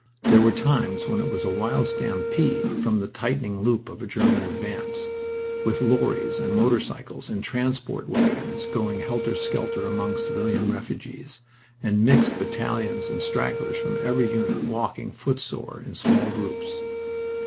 There were times when it was a wild stampede from the tightening loop of a German advance, with lorries and motor cycles and transport wagons going helter skelter among civilian refugees and mixed battalions and stragglers from every unit walking, footsore, in small groups.